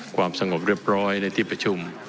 ความสงบเรียบร้อยในที่ประชุม